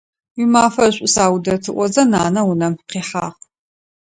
Уимафэ шӀу, Саудэт! – ыӀозэ нанэ унэм къихьагъ.